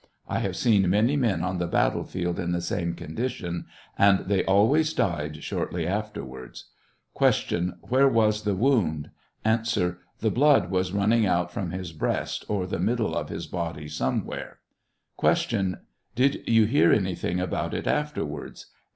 1 have seen many men on the battlefield in the same condition, and they always died shortly afterwards. Q. Where was the wound ? A. The blood was running oat from his breast, or the middle of his body, somewhere. Q. Did you hear anything about it afterwards